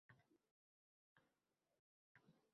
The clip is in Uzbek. Oxori to`kilmagan gaplarni sizga ilindim